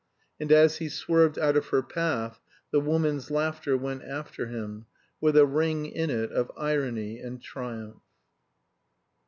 And as he swerved out of her path the woman's laughter went after him, with a ring in it of irony and triumph.